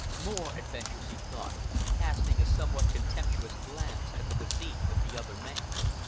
More adventures, he thought, casting a somewhat contemptuous glance at the physique of the other man.